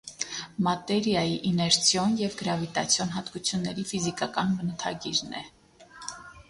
Մատերիայի իներցիոն և գրավիտացիոն հատկությունների ֆիզիկական բնութագիրն է։